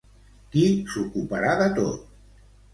Qui s'ocuparà de tot?